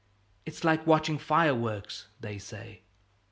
"It's like watching fireworks," they say.